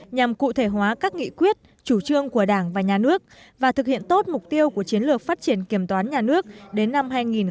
nghị quyết chủ trương của đảng và nhà nước và thực hiện tốt mục tiêu của chiến lược phát triển kiểm toán nhà nước đến năm hai nghìn hai mươi